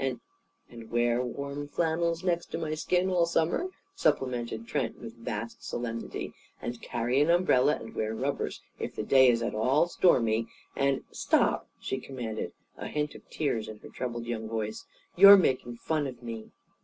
And " "And wear warm flannels next to my skin, all summer?" supplemented Trent, with vast solemnity. "And carry an umbrella and wear rubbers if the day is at all stormy? And " "Stop!" she commanded, a hint of tears in her troubled young voice. "You're making fun of me!"